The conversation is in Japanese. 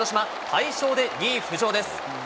大勝で２位浮上です。